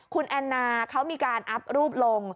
คุณแอนนาเขามีการอัพรูปลง